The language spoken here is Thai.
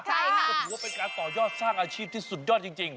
พูดเข้าเป็นการต่อยอดสร้างอาชีพที่สุดยอดจริง